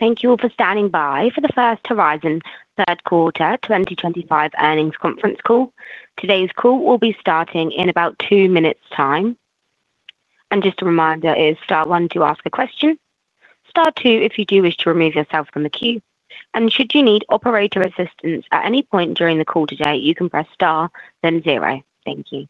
Thank you all for standing by for the First Horizon Third Quarter 2025 Earnings Conference Call. Today's call will be starting in about two minutes' time. Just a reminder, star one to ask a question. Star two if you do wish to remove yourself from the queue. Should you need operator assistance at any point during the call today, you can press star then zero. Thank you.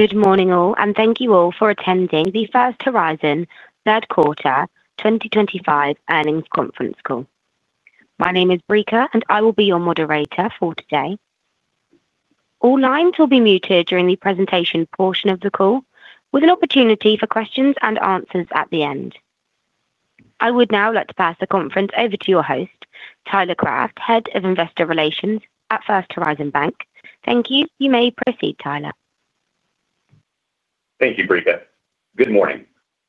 Good morning all, and thank you all for attending the First Horizon Third Quarter 2025 Earnings Conference Call. My name is Brika and I will be your moderator for today. All lines will be muted during the presentation portion of the call, with an opportunity for questions and answers at the end. I would now like to pass the conference over to your host, Tyler Craft, Head of Investor Relations at First Horizon Bank. Thank you. You may proceed, Tyler. Thank you, Brika. Good morning.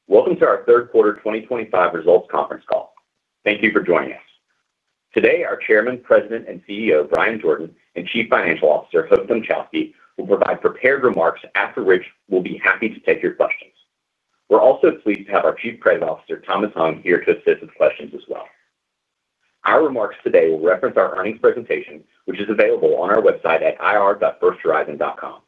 Welcome to our Third Quarter 2025 Results Conference Call. Thank you for joining us. Today, our Chairman, President, and CEO, Bryan Jordan, and Chief Financial Officer, Hope Dmuchowski, will provide prepared remarks after which we'll be happy to take your questions. We're also pleased to have our Chief Credit Officer, Thomas Hung, here to assist with questions as well. Our remarks today will reference our earnings presentation, which is available on our website at ir.firsthorizon.com.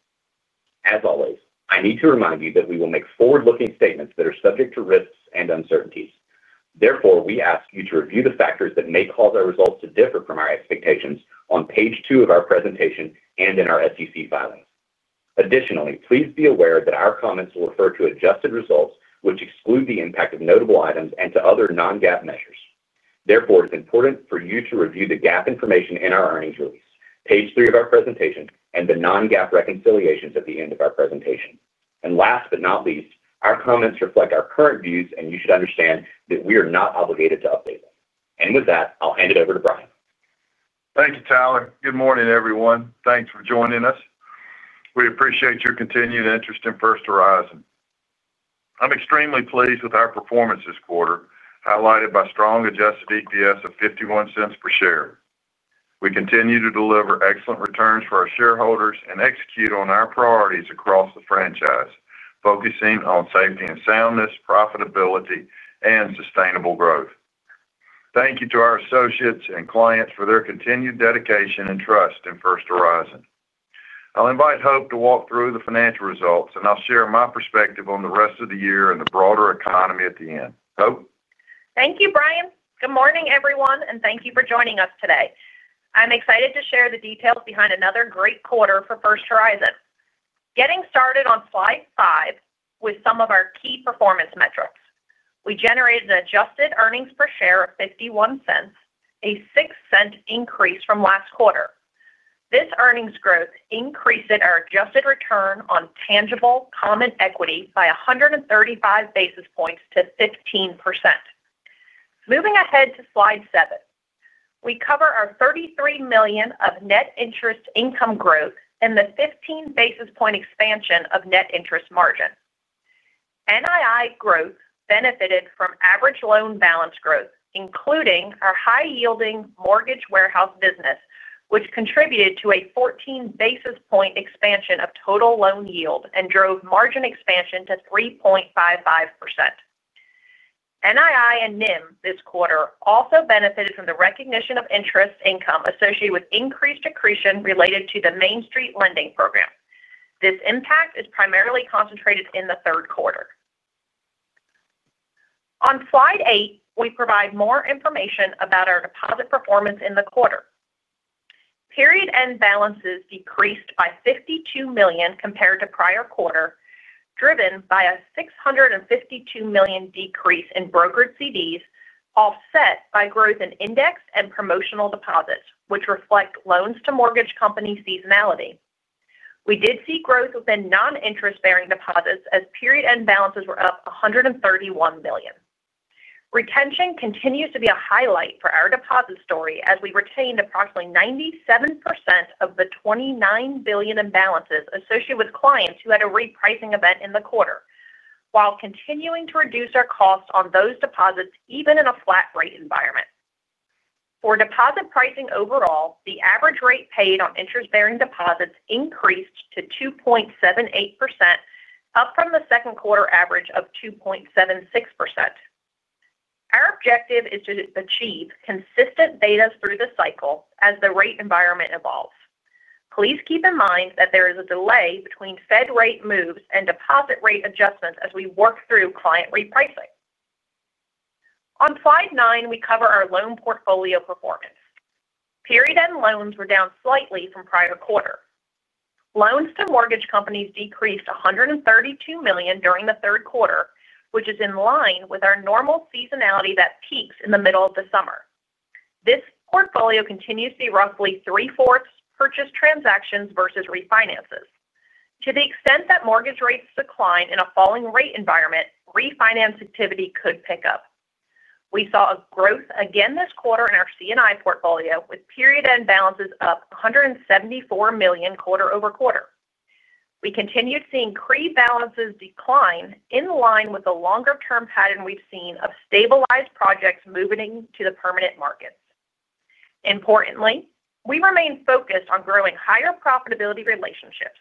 As always, I need to remind you that we will make forward-looking statements that are subject to risks and uncertainties. Therefore, we ask you to review the factors that may cause our results to differ from our expectations on page two of our presentation and in our SEC filings. Additionally, please be aware that our comments will refer to adjusted results, which exclude the impact of notable items and to other non-GAAP measures. Therefore, it is important for you to review the GAAP information in our earnings release, page three of our presentation, and the non-GAAP reconciliations at the end of our presentation. Last but not least, our comments reflect our current views, and you should understand that we are not obligated to update them. With that, I'll hand it over to Bryan. Thank you, Tyler. Good morning, everyone. Thanks for joining us. We appreciate your continued interest in First Horizon. I'm extremely pleased with our performance this quarter, highlighted by strong adjusted EPS of $0.51 per share. We continue to deliver excellent returns for our shareholders and execute on our priorities across the franchise, focusing on safety and soundness, profitability, and sustainable growth. Thank you to our associates and clients for their continued dedication and trust in First Horizon. I'll invite Hope to walk through the financial results, and I'll share my perspective on the rest of the year and the broader economy at the end. Hope? Thank you, Bryan. Good morning, everyone, and thank you for joining us today. I'm excited to share the details behind another great quarter for First Horizon. Getting started on slide five with some of our key performance metrics. We generated an adjusted earnings per share of $0.51, a $0.06 increase from last quarter. This earnings growth increased our adjusted return on tangible common equity by 135 basis points to 15%. Moving ahead to slide seven, we cover our $33 million of net interest income growth and the 15 basis point expansion of net interest margin. NII growth benefited from average loan balance growth, including our high-yielding mortgage warehouse business, which contributed to a 14 basis point expansion of total loan yield and drove margin expansion to 3.55%. NII and NIM this quarter also benefited from the recognition of interest income associated with increased accretion related to the Main Street lending program. This impact is primarily concentrated in the third quarter. On slide eight, we provide more information about our deposit performance in the quarter. Period end balances decreased by $52 million compared to prior quarter, driven by a $652 million decrease in brokered CDs, offset by growth in index and promotional deposits, which reflect loans to mortgage companies' seasonality. We did see growth within non-interest-bearing deposits as period end balances were up $131 million. Retention continues to be a highlight for our deposit story as we retained approximately 97% of the $29 billion in balances associated with clients who had a repricing event in the quarter, while continuing to reduce our costs on those deposits even in a flat-rate environment. For deposit pricing overall, the average rate paid on interest-bearing deposits increased to 2.78%, up from the second quarter average of 2.76%. Our objective is to achieve consistent data through the cycle as the rate environment evolves. Please keep in mind that there is a delay between Fed rate moves and deposit rate adjustments as we work through client repricing. On slide nine, we cover our loan portfolio performance. Period end loans were down slightly from prior quarter. Loans to mortgage companies decreased $132 million during the third quarter, which is in line with our normal seasonality that peaks in the middle of the summer. This portfolio continues to see roughly 3/4 purchase transactions versus refinances. To the extent that mortgage rates decline in a falling rate environment, refinance activity could pick up. We saw a growth again this quarter in our C&I portfolio with period-end balances up $174 million quarter-over-quarter. We continued seeing pre-balances decline in line with the longer-term pattern we've seen of stabilized projects moving to the permanent markets. Importantly, we remain focused on growing higher profitability relationships.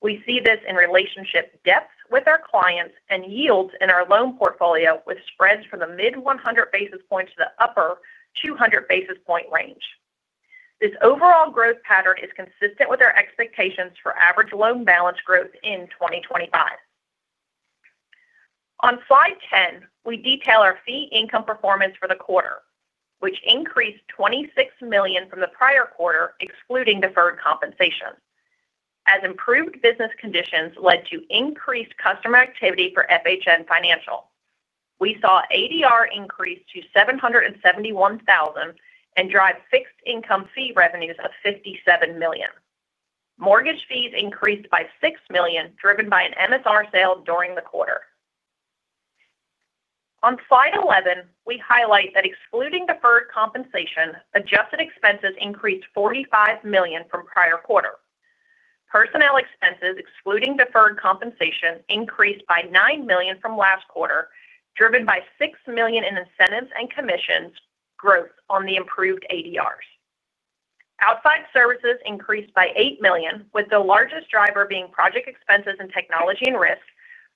We see this in relationship depth with our clients and yields in our loan portfolio with spreads from the mid-100 basis points to the upper 200 basis point range. This overall growth pattern is consistent with our expectations for average loan balance growth in 2025. On slide 10, we detail our fee income performance for the quarter, which increased $26 million from the prior quarter, excluding deferred compensation, as improved business conditions led to increased customer activity for FHN Financial. We saw ADR increase to $771,000 and drive fixed income fee revenues of $57 million. Mortgage fees increased by $6 million, driven by an MSR sale during the quarter. On slide 11, we highlight that excluding deferred compensation, adjusted expenses increased $45 million from prior quarter. Personnel expenses, excluding deferred compensation, increased by $9 million from last quarter, driven by $6 million in incentives and commissions growth on the improved ADRs. Outside services increased by $8 million, with the largest driver being project expenses and technology and risk,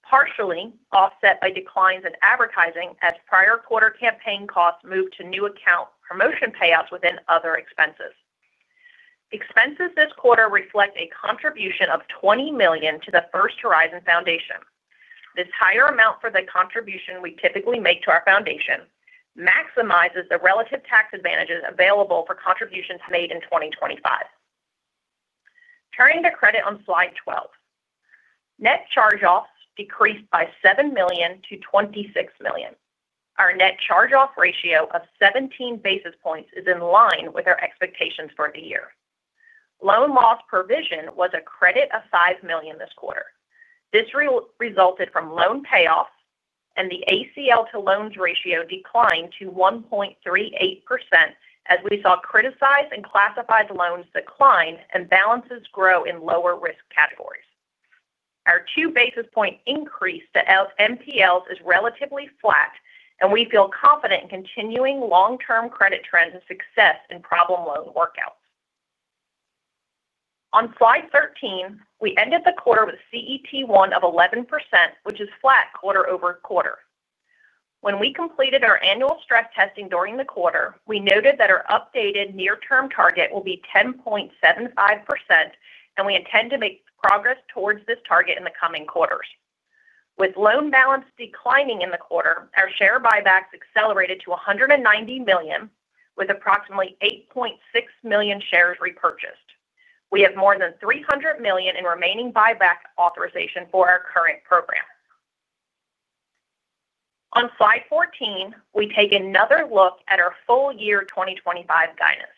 partially offset by declines in advertising as prior quarter campaign costs moved to new account promotion payouts within other expenses. Expenses this quarter reflect a contribution of $20 million to the First Horizon Foundation. This higher amount for the contribution we typically make to our foundation maximizes the relative tax advantages available for contributions made in 2025. Turning to credit on slide 12, net charge-offs decreased by $7 million-$26 million. Our net charge-off ratio of 17 basis points is in line with our expectations for the year. Loan loss provision was a credit of $5 million this quarter. This resulted from loan payoffs, and the ACL to loans ratio declined to 1.38% as we saw criticized and classified loans decline and balances grow in lower risk categories. Our two basis point increase to MPLs is relatively flat, and we feel confident in continuing long-term credit trends and success in problem loan workouts. On slide 13, we ended the quarter with a CET1 of 11%, which is flat quarter-over-quarter. When we completed our annual stress testing during the quarter, we noted that our updated near-term target will be 10.75%, and we intend to make progress towards this target in the coming quarters. With loan balance declining in the quarter, our share buybacks accelerated to $190 million, with approximately 8.6 million shares repurchased. We have more than $300 million in remaining buyback authorization for our current program. On slide 14, we take another look at our full year 2025 guidance.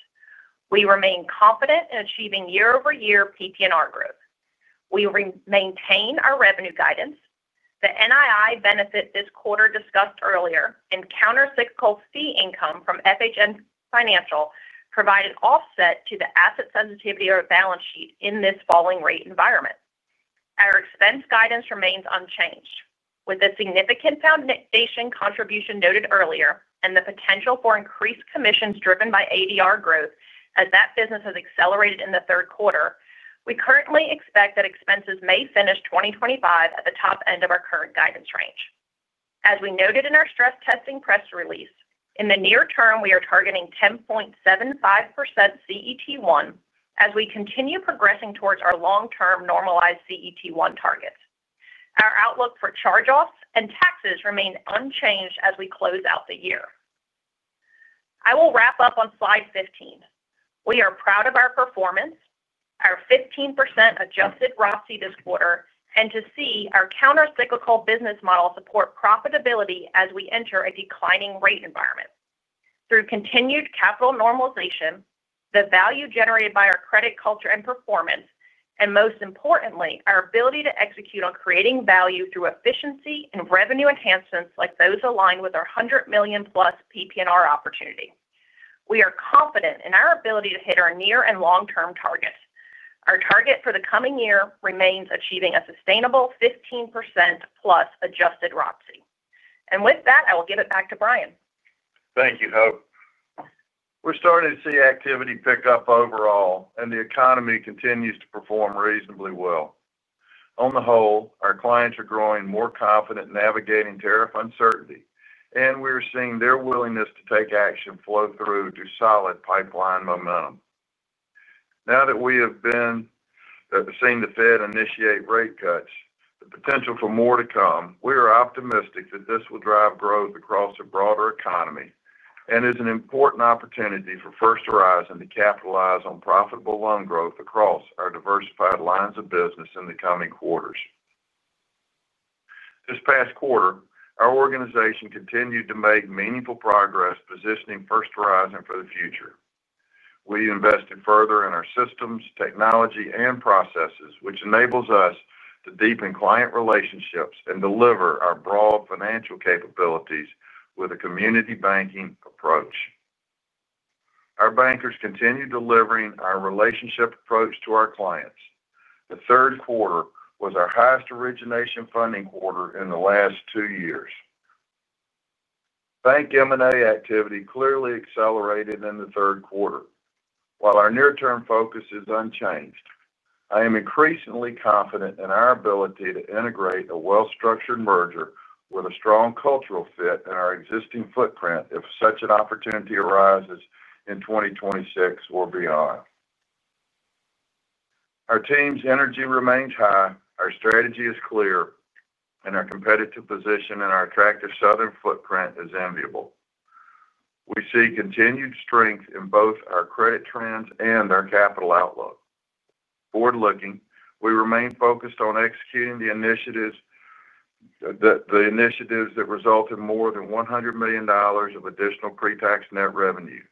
We remain confident in achieving year-over-year PPNR growth. We maintain our revenue guidance. The NII benefit this quarter discussed earlier and countercyclical fee income from FHN Financial provided offset to the asset sensitivity or balance sheet in this falling rate environment. Our expense guidance remains unchanged. With the significant foundation contribution noted earlier and the potential for increased commissions driven by ADR growth as that business has accelerated in the third quarter, we currently expect that expenses may finish 2025 at the top end of our current guidance range. As we noted in our stress testing press release, in the near term, we are targeting 10.75% CET1 as we continue progressing towards our long-term normalized CET1 targets. Our outlook for charge-offs and taxes remains unchanged as we close out the year. I will wrap up on slide 15. We are proud of our performance, our 15% adjusted ROTCE this quarter, and to see our countercyclical business model support profitability as we enter a declining rate environment. Through continued capital normalization, the value generated by our credit culture and performance, and most importantly, our ability to execute on creating value through efficiency and revenue enhancements like those aligned with our $100 million plus PPNR opportunity, we are confident in our ability to hit our near and long-term targets. Our target for the coming year remains achieving a sustainable 15% plus adjusted ROTCE. With that, I will give it back to Bryan. Thank you, Hope. We're starting to see activity pick up overall, and the economy continues to perform reasonably well. On the whole, our clients are growing more confident navigating tariff uncertainty, and we are seeing their willingness to take action flow through to solid pipeline momentum. Now that we have seen the Fed initiate rate cuts, the potential for more to come, we are optimistic that this will drive growth across a broader economy and is an important opportunity for First Horizon to capitalize on profitable loan growth across our diversified lines of business in the coming quarters. This past quarter, our organization continued to make meaningful progress positioning First Horizon for the future. We invested further in our systems, technology, and processes, which enables us to deepen client relationships and deliver our broad financial capabilities with a community banking approach. Our bankers continue delivering our relationship approach to our clients. The third quarter was our highest origination funding quarter in the last two years. Bank M&A activity clearly accelerated in the third quarter. While our near-term focus is unchanged, I am increasingly confident in our ability to integrate a well-structured merger with a strong cultural fit in our existing footprint if such an opportunity arises in 2026 or beyond. Our team's energy remains high, our strategy is clear, and our competitive position in our attractive southern U.S. footprint is enviable. We see continued strength in both our credit trends and our capital outlook. Forward-looking, we remain focused on executing the initiatives that result in more than $100 million of additional pre-tax net revenue.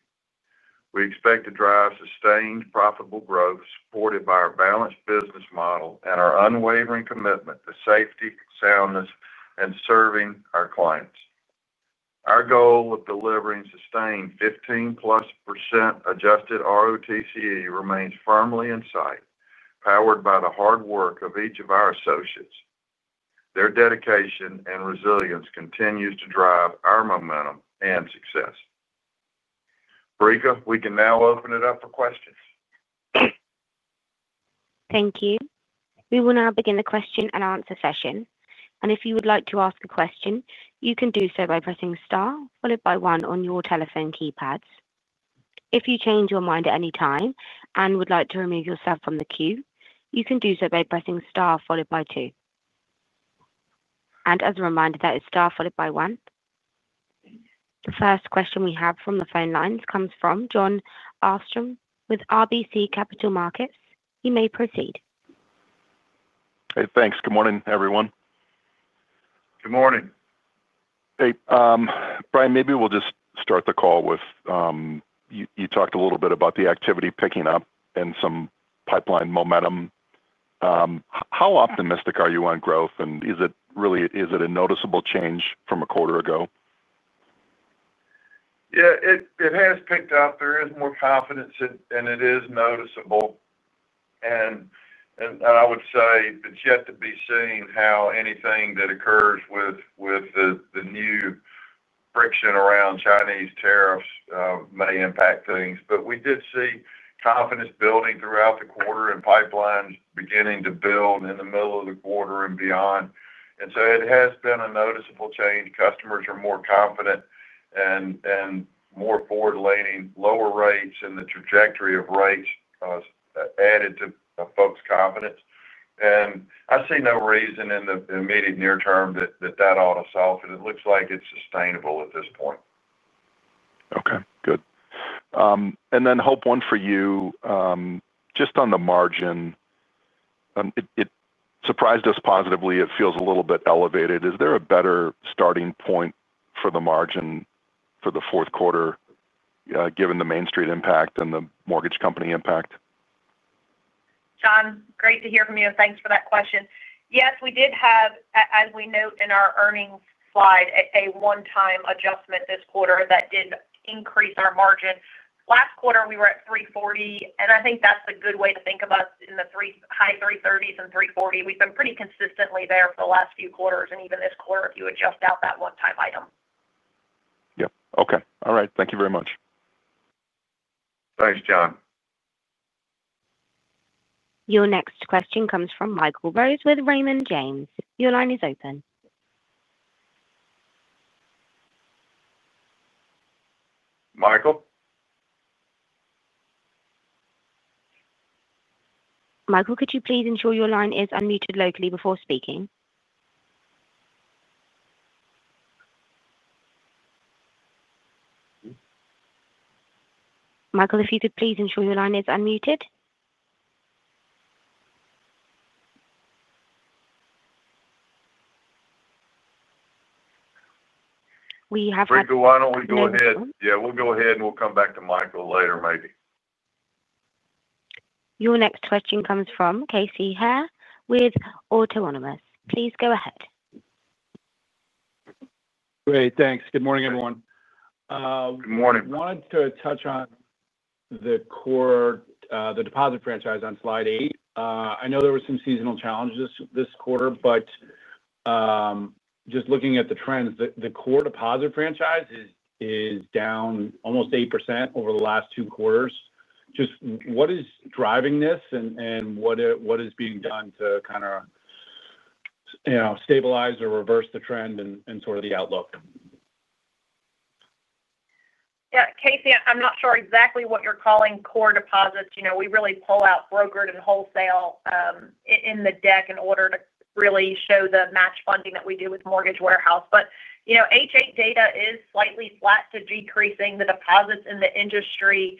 We expect to drive sustained profitable growth supported by our balanced business model and our unwavering commitment to safety, soundness, and serving our clients. Our goal of delivering sustained 15% plus adjusted return on tangible common equity remains firmly in sight, powered by the hard work of each of our associates. Their dedication and resilience continue to drive our momentum and success. Brika, we can now open it up for questions. Thank you. We will now begin the question-and-answer session. If you would like to ask a question, you can do so by pressing star followed by one on your telephone keypads. If you change your mind at any time and would like to remove yourself from the queue, you can do so by pressing star followed by two. As a reminder, that is star followed by one. The first question we have from the phone lines comes from Jon Arfstrom with RBC Capital Markets. You may proceed. Hey, thanks. Good morning, everyone. Good morning. Hey, Bryan, maybe we'll just start the call with you talked a little bit about the activity picking up and some pipeline momentum. How optimistic are you on growth, and is it really a noticeable change from a quarter ago? Yeah, it has picked up. There is more confidence, and it is noticeable. I would say it's yet to be seen how anything that occurs with the new friction around Chinese tariffs may impact things. We did see confidence building throughout the quarter and pipelines beginning to build in the middle of the quarter and beyond. It has been a noticeable change. Customers are more confident and more forward-leaning. Lower rates and the trajectory of rates added to folks' confidence. I see no reason in the immediate near term that that ought to solve it. It looks like it's sustainable at this point. Okay, good. Hope, one for you. Just on the margin, it surprised us positively. It feels a little bit elevated. Is there a better starting point for the margin for the fourth quarter, given the Main Street impact and the mortgage company impact? Jon, great to hear from you. Thanks for that question. Yes, we did have, as we note in our earnings slide, a one-time adjustment this quarter that did increase our margin. Last quarter, we were at 340, and I think that's a good way to think of us in the high 330s and 340. We've been pretty consistently there for the last few quarters, and even this quarter, if you adjust out that one-time item. Okay. All right. Thank you very much. Thanks, John. Your next question comes from Michael Rose with Raymond James. Your line is open. Michael. Michael, could you please ensure your line is unmuted locally before speaking? Michael, if you could please ensure your line is unmuted? We have had. Michael, why don't we go ahead? We'll go ahead and come back to Michael later, maybe. Your next question comes from Casey Haire with Autonomous. Please go ahead. Great, thanks. Good morning, everyone. Good morning. I wanted to touch on the core deposit franchise on slide eight. I know there were some seasonal challenges this quarter, but just looking at the trends, the core deposit franchise is down almost 8% over the last two quarters. What is driving this and what is being done to kind of stabilize or reverse the trend and the outlook? Yeah, Casey, I'm not sure exactly what you're calling core deposits. We really pull out brokered and wholesale in the deck in order to really show the match funding that we do with mortgage warehouse. H8 data is slightly flat to decreasing. The deposits in the industry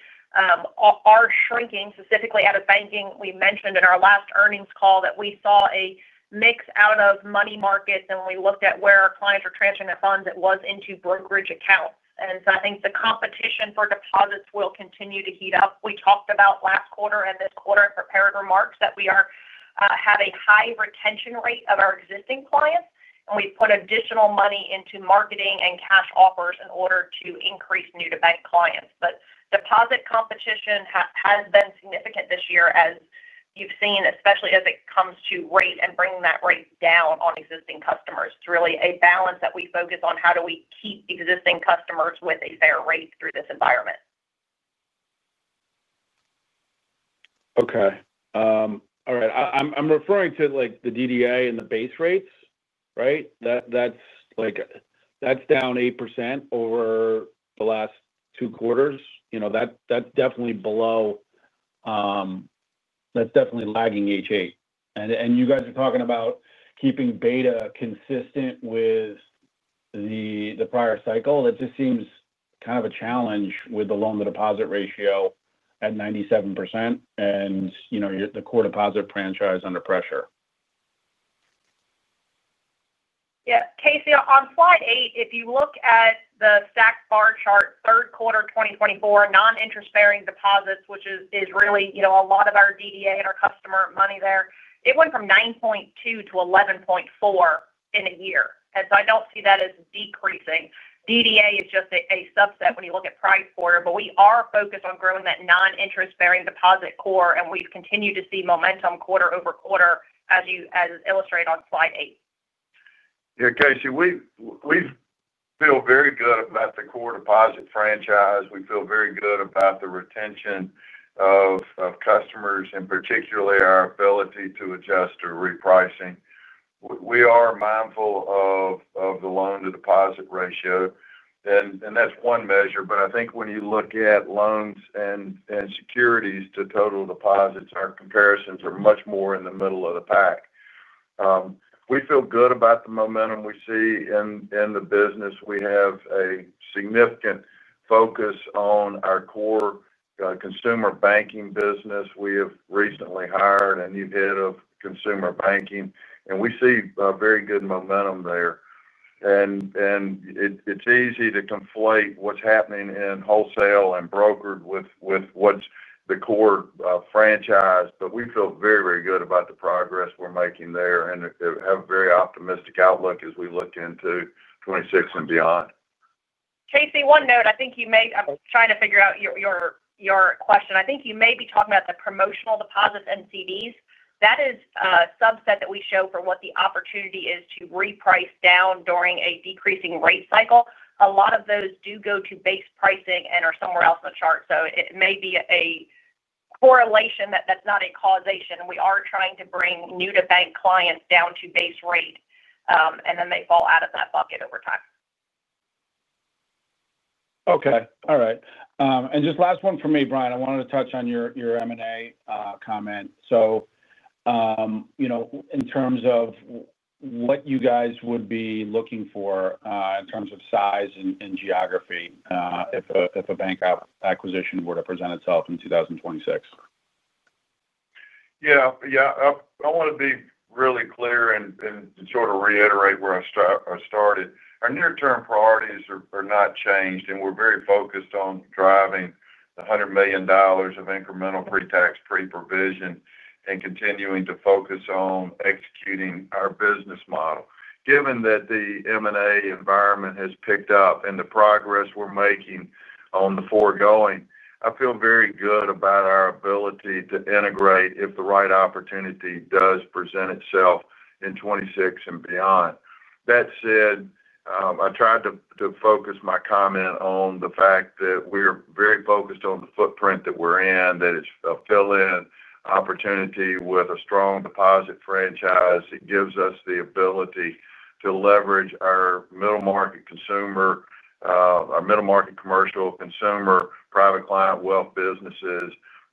are shrinking. Specifically out of banking, we mentioned in our last earnings call that we saw a mix out of money markets. When we looked at where our clients were transferring their funds, it was into brokerage accounts. I think the competition for deposits will continue to heat up. We talked about last quarter and this quarter in prepared remarks that we have a high retention rate of our existing clients, and we've put additional money into marketing and cash offers in order to increase new-to-bank clients. Deposit competition has been significant this year, as you've seen, especially as it comes to rate and bringing that rate down on existing customers. It's really a balance that we focus on. How do we keep existing customers with a fair rate through this environment? Okay. All right. I'm referring to like the DDA and the base rates, right? That's down 8% over the last two quarters. You know, that's definitely below. That's definitely lagging H8. You guys are talking about keeping beta consistent with the prior cycle. That just seems kind of a challenge with the loan-to-deposit ratio at 97% and the core deposit franchise under pressure. Yeah. Casey, on slide eight, if you look at the stacked bar chart, third quarter 2024, non-interest-bearing deposits, which is really, you know, a lot of our DDA and our customer money there, it went from $9.2 billion-$11.4 billion in a year. I don't see that as decreasing. DDA is just a subset when you look at price quarter. We are focused on growing that non-interest-bearing deposit core, and we've continued to see momentum quarter-over-quarter, as you illustrated on slide eight. Casey, we feel very good about the core deposit franchise. We feel very good about the retention of customers and particularly our ability to adjust to repricing. We are mindful of the loan-to-deposit ratio, and that's one measure. I think when you look at loans and securities to total deposits, our comparisons are much more in the middle of the pack. We feel good about the momentum we see in the business. We have a significant focus on our core consumer banking business. We have recently hired a new Head of Consumer Banking, and we see very good momentum there. It's easy to conflate what's happening in wholesale and brokered with what's the core franchise. We feel very, very good about the progress we're making there, and we have a very optimistic outlook as we look into 2026 and beyond. Casey, one note. I think you may be talking about the promotional deposits and CDs. That is a subset that we show for what the opportunity is to reprice down during a decreasing rate cycle. A lot of those do go to base pricing and are somewhere else in the chart. It may be a correlation that's not a causation. We are trying to bring new-to-bank clients down to base rate, and then they fall out of that bucket over time. Okay. All right. Just last one for me, Bryan. I wanted to touch on your M&A comment. In terms of what you guys would be looking for in terms of size and geography if a bank acquisition were to present itself in 2026? Yeah. I want to be really clear and sort of reiterate where I started. Our near-term priorities are not changed, and we're very focused on driving $100 million of incremental pre-tax pre-provision and continuing to focus on executing our business model. Given that the M&A environment has picked up and the progress we're making on the foregoing, I feel very good about our ability to integrate if the right opportunity does present itself in 2026 and beyond. That said, I tried to focus my comment on the fact that we're very focused on the footprint that we're in, that it's a fill-in opportunity with a strong deposit franchise. It gives us the ability to leverage our middle-market commercial, consumer, private client wealth businesses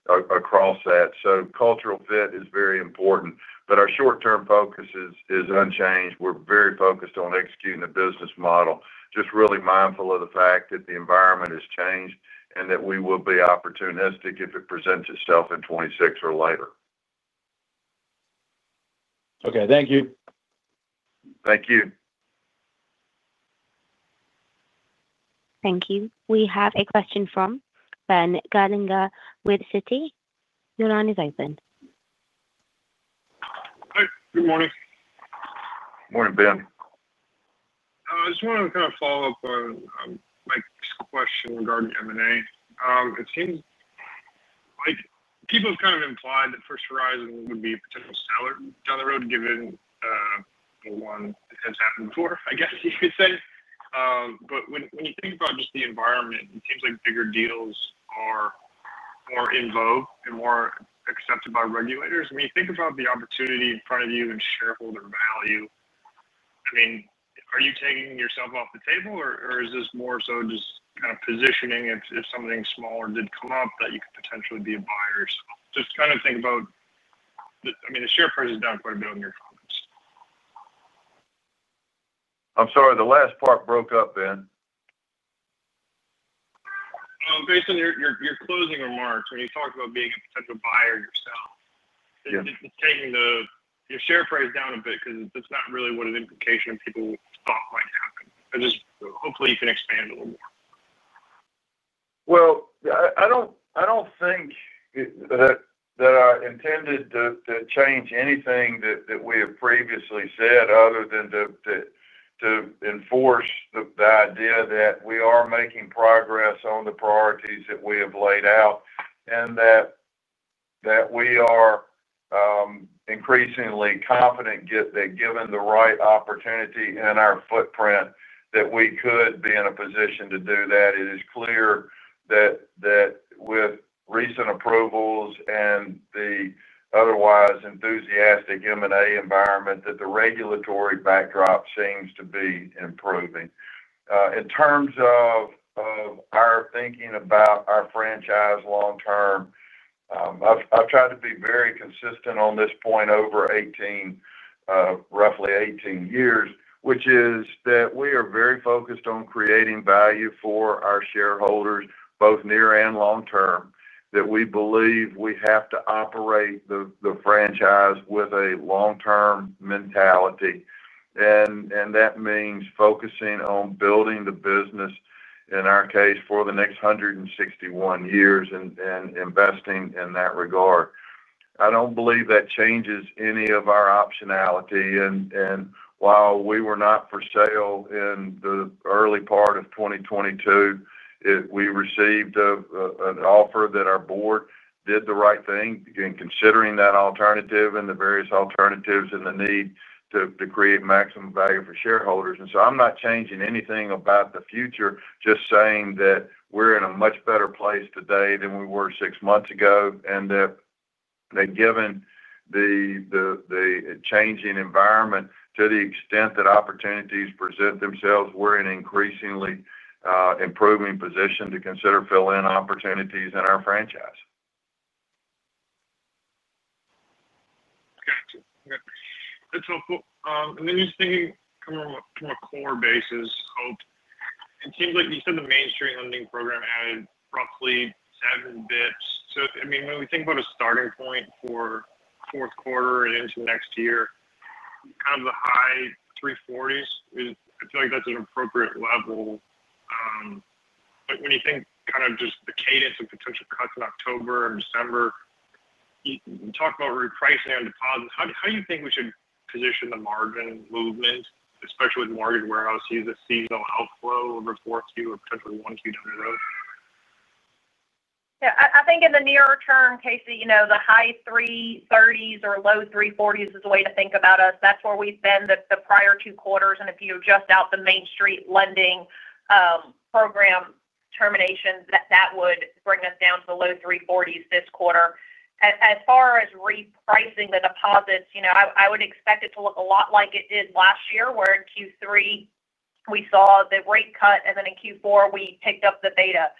across that. Cultural fit is very important. Our short-term focus is unchanged. We're very focused on executing the business model, just really mindful of the fact that the environment has changed and that we will be opportunistic if it presents itself in 2026 or later. Okay, thank you. Thank you. Thank you. We have a question from Ben Gerlinger with Citi. Your line is open. Hi. Good morning. Morning, Ben. I just wanted to follow up on Mike's question regarding M&A. It seems like people have implied that First Horizon would be a potential seller down the road, given the one that has happened before, I guess you could say. When you think about the environment, it seems like bigger deals are more in vogue and more accepted by regulators. When you think about the opportunity in front of you and shareholder value, are you taking yourself off the table, or is this more so just positioning if something smaller did come up that you could potentially be a buyer yourself? The share price is down quite a bit on your comments. I'm sorry, the last part broke up, Ben. Based on your closing remarks, when you talk about being a potential buyer yourself, it's taking your share price down a bit because that's not really what an implication of people thought might happen. Hopefully, you can expand a little more. I don't think that I intended to change anything that we have previously said other than to enforce the idea that we are making progress on the priorities that we have laid out and that we are increasingly confident that given the right opportunity in our footprint, we could be in a position to do that. It is clear that with recent approvals and the otherwise enthusiastic M&A environment, the regulatory backdrop seems to be improving. In terms of our thinking about our franchise long-term, I've tried to be very consistent on this point over roughly 18 years, which is that we are very focused on creating value for our shareholders both near and long-term, that we believe we have to operate the franchise with a long-term mentality. That means focusing on building the business, in our case, for the next 161 years and investing in that regard. I don't believe that changes any of our optionality. While we were not for sale in the early part of 2022, we received an offer that our board did the right thing in considering that alternative and the various alternatives and the need to create maximum value for shareholders. I'm not changing anything about the future, just saying that we're in a much better place today than we were six months ago. Given the changing environment, to the extent that opportunities present themselves, we're in an increasingly improving position to consider fill-in opportunities in our franchise. Gotcha. Okay. That's helpful. Just thinking from a core basis, Hope, it seems like you said the Main Street lending program added roughly 7 bps. I mean, when we think about a starting point for the fourth quarter and into next year, kind of the high 340s, I feel like that's an appropriate level. When you think about the cadence of potential cuts in October and December, you talk about repricing our deposits. How do you think we should position the margin movement, especially with mortgage warehouse using seasonal outflow over the fourth quarter or potentially one quarter down the road? Yeah. I think in the nearer term, Casey, you know the high 330s or low 340s is a way to think about us. That's where we've been the prior two quarters. If you adjust out the Main Street lending program terminations, that would bring us down to the low 340s this quarter. As far as repricing the deposits, I would expect it to look a lot like it did last year, where in Q3, we saw the rate cut, and then in Q4, we picked up the beta.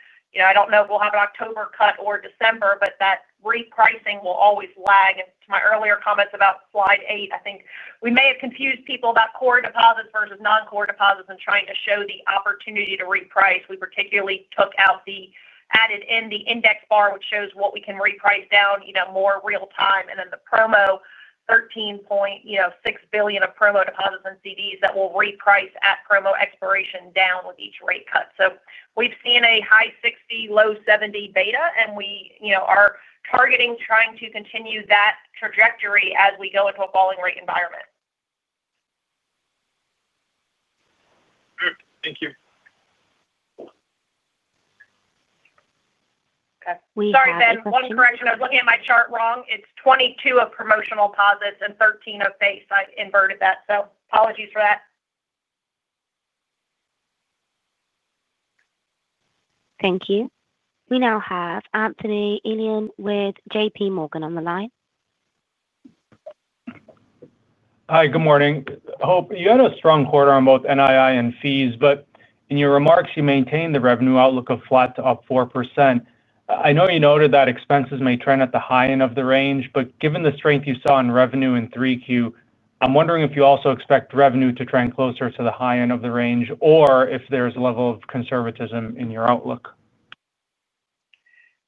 I don't know if we'll have an October cut or December, but that repricing will always lag. To my earlier comments about slide eight, I think we may have confused people about core deposits versus non-core deposits and trying to show the opportunity to reprice. We particularly took out the added in the index bar, which shows what we can reprice down, more real-time. The promo, [$6 billion] of promo deposits and CDs, will reprice at promo expiration down with each rate cut. We've seen a high 60%, low 70% beta, and we are targeting trying to continue that trajectory as we go into a falling rate environment. Great. Thank you. Okay. Sorry, Ben. One correction. I was looking at my chart wrong. It's 22% of promotional deposits and 13% of face. I've inverted that. Apologies for that. Thank you. We now have Anthony Elian with JPMorgan on the line. Hi. Good morning. Hope, you had a strong quarter on both NII and fees, but in your remarks, you maintained the revenue outlook of flat to up 4%. I know you noted that expenses may trend at the high end of the range, but given the strength you saw in revenue in 3Q, I'm wondering if you also expect revenue to trend closer to the high end of the range, or if there's a level of conservatism in your outlook.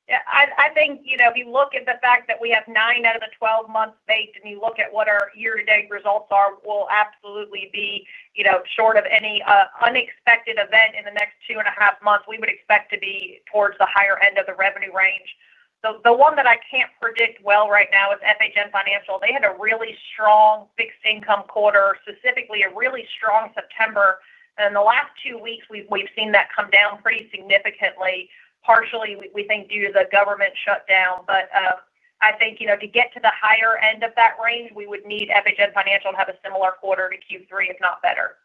Yeah. I think if you look at the fact that we have nine out of the 12 months baked and you look at what our year-to-date results are, we'll absolutely be, short of any unexpected event in the next 2.5 months, we would expect to be towards the higher end of the revenue range. The one that I can't predict well right now is FHN Financial. They had a really strong fixed income quarter, specifically a really strong September. In the last two weeks, we've seen that come down pretty significantly, partially we think due to the government shutdown. I think to get to the higher end of that range, we would need FHN Financial to have a similar quarter to Q3, if not better.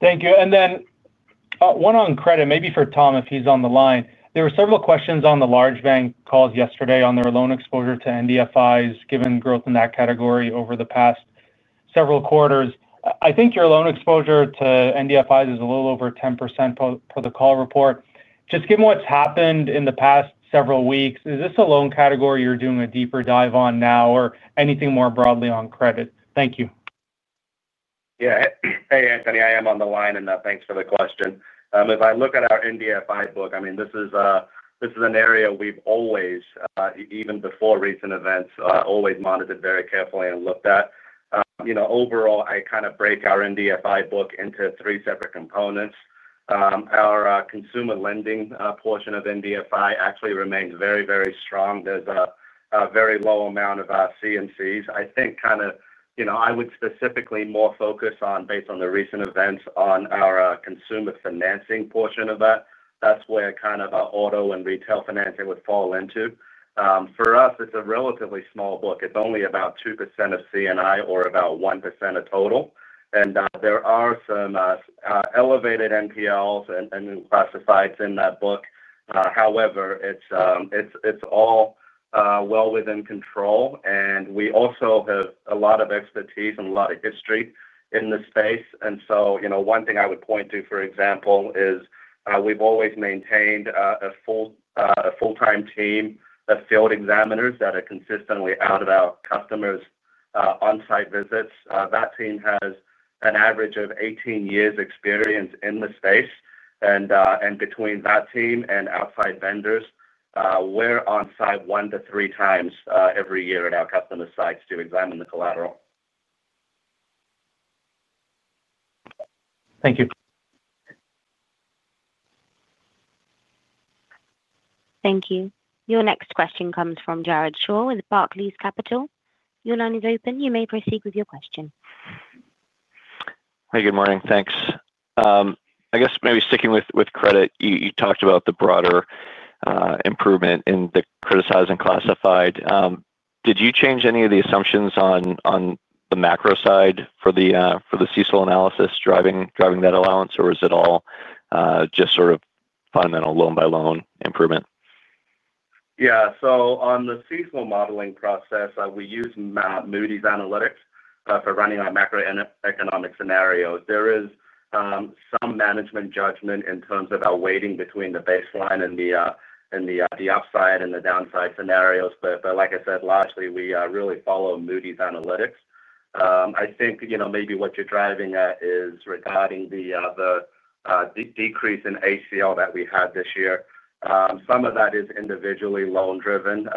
Thank you. One on credit, maybe for Tom if he's on the line. There were several questions on the large bank calls yesterday on their loan exposure to NDFIs, given growth in that category over the past several quarters. I think your loan exposure to NDFIs is a little over 10% per the call report. Just given what's happened in the past several weeks, is this a loan category you're doing a deeper dive on now or anything more broadly on credit? Thank you. Yeah. Hey, Anthony. I am on the line, and thanks for the question. If I look at our NDFI book, this is an area we've always, even before recent events, always monitored very carefully and looked at. Overall, I kind of break our NDFI book into three separate components. Our consumer lending portion of NDFI actually remains very, very strong. There's a very low amount of CNCs. I think, you know, I would specifically more focus on, based on the recent events, our consumer financing portion of that. That's where our auto and retail financing would fall into. For us, it's a relatively small book. It's only about 2% of C&I or about 1% of total. There are some elevated NPLs and classifieds in that book. However, it's all well within control. We also have a lot of expertise and a lot of history in the space. One thing I would point to, for example, is we've always maintained a full-time team of field examiners that are consistently out at our customers' on-site visits. That team has an average of 18 years' experience in the space. Between that team and outside vendors, we're on site 1x-3x every year at our customer sites to examine the collateral. Thank you. Thank you. Your next question comes from Jared Shaw with Barclays Capital. Your line is open. You may proceed with your question. Hey, good morning. Thanks. I guess maybe sticking with credit, you talked about the broader improvement in the criticized and classified. Did you change any of the assumptions on the macro side for the CECL analysis driving that allowance, or is it all just sort of fundamental loan-by-loan improvement? On the seasonal modeling process, we use Moody's Analytics for running our macroeconomic scenarios. There is some management judgment in terms of our weighting between the baseline and the upside and the downside scenarios. Like I said, largely, we really follow Moody's Analytics. I think maybe what you're driving at is regarding the decrease in ACL that we had this year. Some of that is individually loan-driven.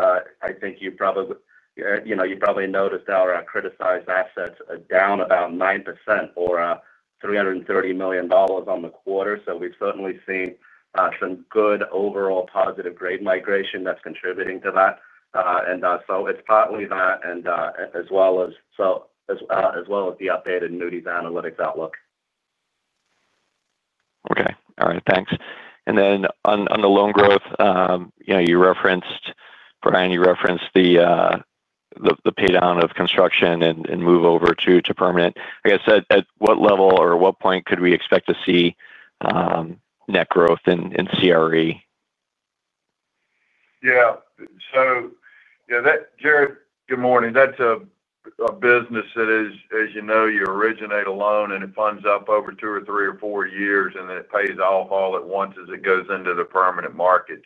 I think you probably noticed our criticized assets are down about 9% or $330 million on the quarter. We've certainly seen some good overall positive grade migration that's contributing to that. It's partly that, as well as the updated Moody's Analytics outlook. Okay. All right. Thanks. On the loan growth, you know, you referenced, Bryan, you referenced the paydown of construction and move over to permanent. At what level or at what point could we expect to see net growth in CRE? Yeah. You know that, Jared, good morning. That's a business that is, as you know, you originate a loan and it funds up over two or three or four years, and then it pays off all at once as it goes into the permanent market.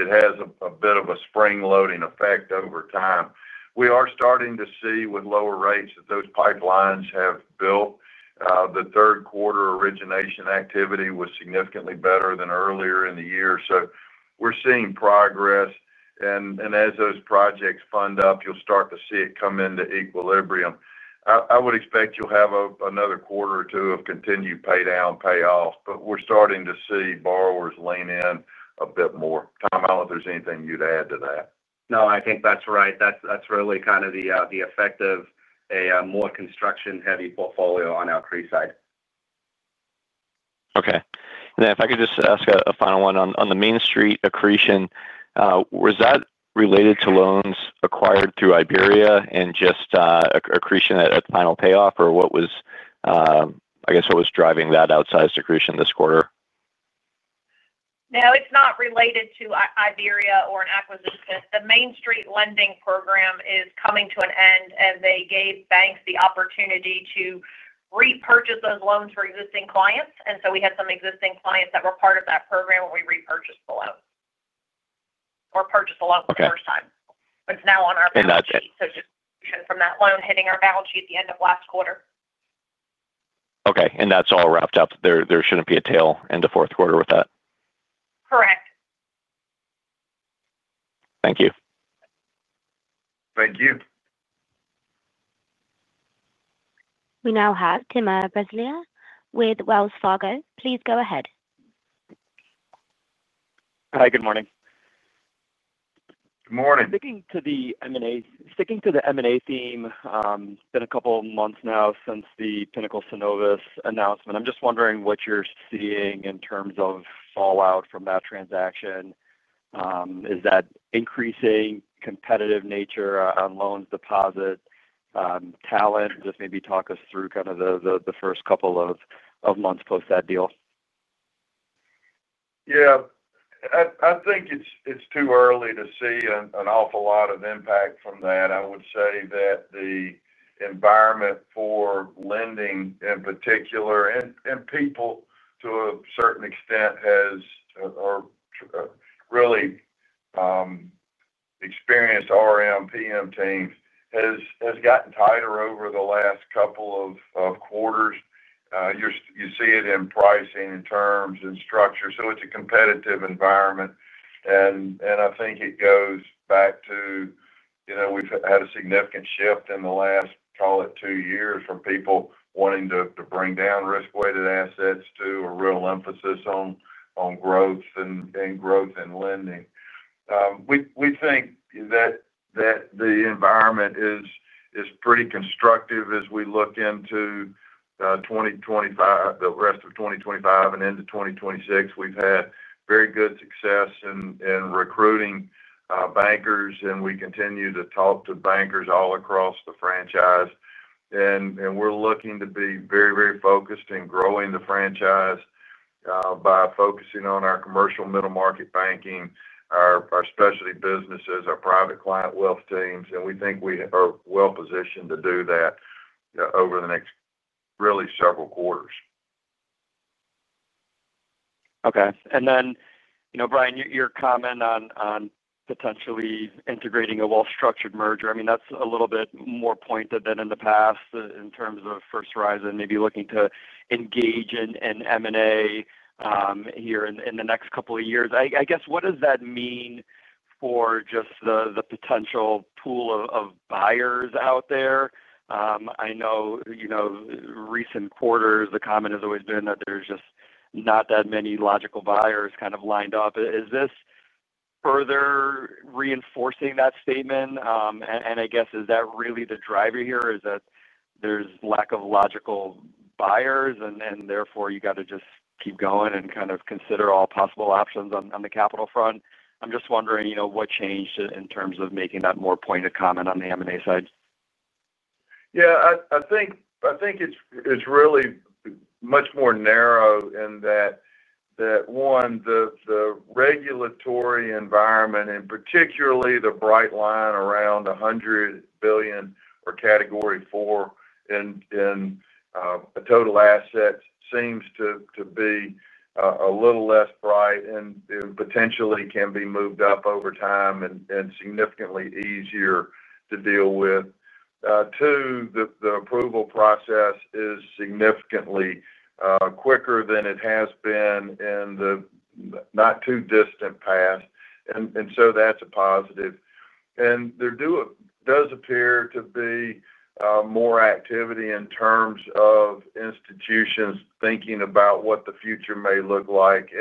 It has a bit of a spring-loading effect over time. We are starting to see with lower rates that those pipelines have built. The third quarter origination activity was significantly better than earlier in the year. We're seeing progress. As those projects fund up, you'll start to see it come into equilibrium. I would expect you'll have another quarter or two of continued paydown payoffs, but we're starting to see borrowers lean in a bit more. Tom, I don't know if there's anything you'd add to that. No, I think that's right. That's really kind of the effect of a more construction-heavy portfolio on our CRE side. Okay. If I could just ask a final one on the Main Street accretion, was that related to loans acquired through IBERIA and just accretion at the final payoff, or what was, I guess, what was driving that outsized accretion this quarter? No, it's not related to IBERIA or an acquisition. The Main Street lending program is coming to an end, and they gave banks the opportunity to repurchase those loans for existing clients. We had some existing clients that were part of that program when we repurchased the loans or purchased the loans the first time. It's now on our package. And that's. Just from that loan hitting our balance sheet at the end of last quarter. Okay, that's all wrapped up. There shouldn't be a tail end of fourth quarter with that. Correct. Thank you. Thank you. We now have Timur Braziler with Wells Fargo. Please go ahead. Hi, good morning. Good morning. Sticking to the M&A theme, it's been a couple of months now since the Pinnacle-Synovus announcement. I'm just wondering what you're seeing in terms of fallout from that transaction. Is that increasing competitive nature on loans, deposit, talent? Just maybe talk us through kind of the first couple of months post that deal. I think it's too early to see an awful lot of impact from that. I would say that the environment for lending in particular and people to a certain extent who have really experienced RM, PM teams has gotten tighter over the last couple of quarters. You see it in pricing, terms, and structure. It's a competitive environment. I think it goes back to, you know, we've had a significant shift in the last, call it, two years from people wanting to bring down risk-weighted assets to a real emphasis on growth and growth in lending. We think that the environment is pretty constructive as we look into the rest of 2025 and into 2026. We've had very good success in recruiting bankers, and we continue to talk to bankers all across the franchise. We're looking to be very, very focused in growing the franchise by focusing on our commercial middle market banking, our specialty businesses, our private client wealth teams. We think we are well positioned to do that over the next really several quarters. Okay. Bryan, your comment on potentially integrating a well-structured merger, that's a little bit more pointed than in the past in terms of First Horizon maybe looking to engage in M&A here in the next couple of years. What does that mean for just the potential pool of buyers out there? I know in recent quarters, the comment has always been that there's just not that many logical buyers kind of lined up. Is this further reinforcing that statement? Is that really the driver here? Is it that there's a lack of logical buyers and therefore you have to just keep going and kind of consider all possible options on the capital front? I'm just wondering what changed in terms of making that more pointed comment on the M&A side. Yeah. I think it's really much more narrow in that, one, the regulatory environment and particularly the bright line around $100 billion or category 4 in total assets seems to be a little less bright and potentially can be moved up over time and significantly easier to deal with. Two, the approval process is significantly quicker than it has been in the not-too-distant past. That's a positive. There does appear to be more activity in terms of institutions thinking about what the future may look like.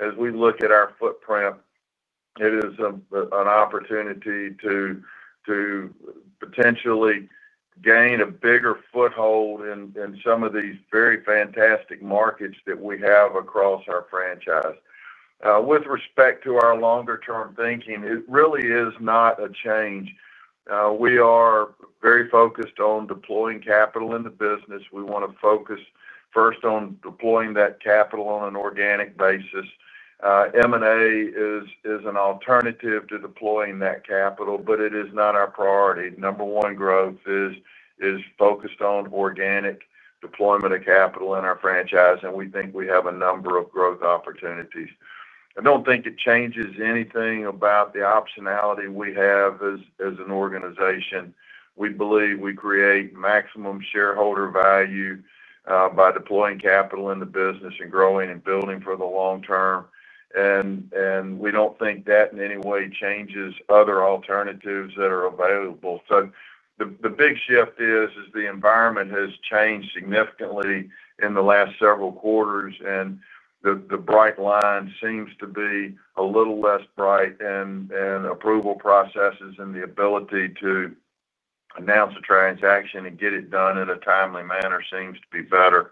As we look at our footprint, it is an opportunity to potentially gain a bigger foothold in some of these very fantastic markets that we have across our franchise. With respect to our longer-term thinking, it really is not a change. We are very focused on deploying capital in the business. We want to focus first on deploying that capital on an organic basis. M&A is an alternative to deploying that capital, but it is not our priority. Number one growth is focused on organic deployment of capital in our franchise, and we think we have a number of growth opportunities. I don't think it changes anything about the optionality we have as an organization. We believe we create maximum shareholder value by deploying capital in the business and growing and building for the long term. We don't think that in any way changes other alternatives that are available. The big shift is the environment has changed significantly in the last several quarters, and the bright line seems to be a little less bright. Approval processes and the ability to announce a transaction and get it done in a timely manner seems to be better.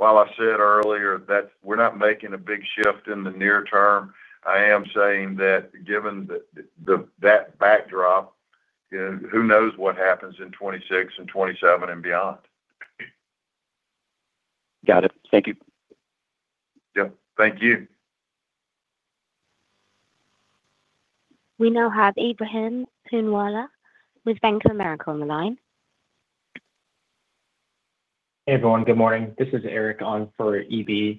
While I said earlier that we're not making a big shift in the near term, I am saying that given that backdrop, you know, who knows what happens in 2026 and 2027 and beyond? Got it. Thank you. Thank you. We now have Ebrahim Poonawala with Bank of America on the line. Hey, everyone. Good morning. This is Eric on for EB.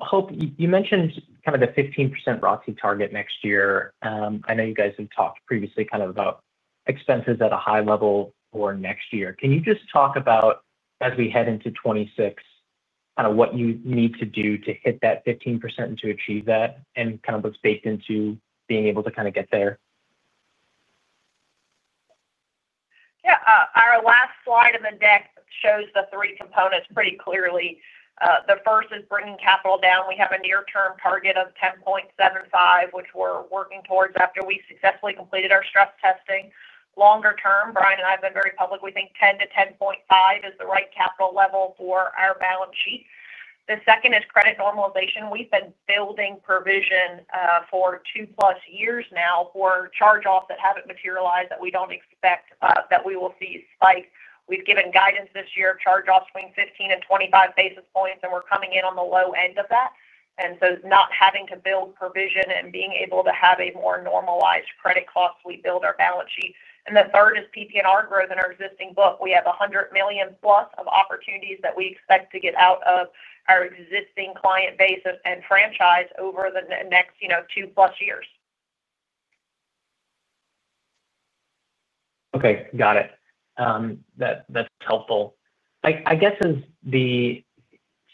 Hope, you mentioned kind of the 15% ROTCE target next year. I know you guys have talked previously kind of about expenses at a high level for next year. Can you just talk about, as we head into 2026, kind of what you need to do to hit that 15% and to achieve that and kind of what's baked into being able to kind of get there? Yeah. Our last slide in the deck shows the three components pretty clearly. The first is bringing capital down. We have a near-term target of 10.75%, which we're working towards after we've successfully completed our stress testing. Longer term, Bryan and I have been very public. We think 10%-10.5% is the right capital level for our balance sheet. The second is credit normalization. We've been building provision for two-plus years now for charge-offs that haven't materialized that we don't expect that we will see spike. We've given guidance this year of charge-offs between 15 and 25 basis points, and we're coming in on the low end of that. Not having to build provision and being able to have a more normalized credit cost, we build our balance sheet. The third is PPNR growth in our existing book. We have $100 million plus of opportunities that we expect to get out of our existing client base and franchise over the next two-plus years. Okay. Got it. That's helpful. I guess as the